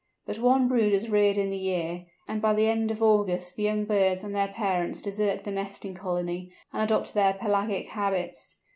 But one brood is reared in the year, and by the end of August the young birds and their parents desert the nesting colony, and adopt their pelagic habits.